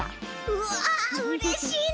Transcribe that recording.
うわうれしいな！